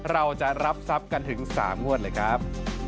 เราจะรับทรัพย์กันถึง๓งวดเลยครับ